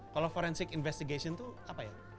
kalau forensic investigation itu apa ya